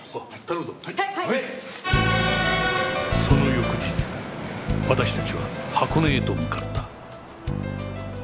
その翌日私たちは箱根へと向かった